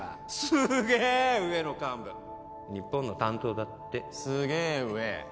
すげえ上の幹部日本の担当だってすげえ上？